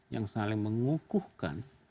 yang saling mengukuhkan